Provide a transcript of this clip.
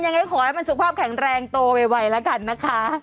ยังไงขอให้มันสุขภาพแข็งแรงโตไวละกันนะคะ